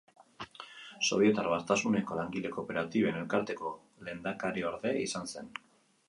Sobietar Batasuneko Langile Kooperatiben Elkarteko lehendakariorde izan zen.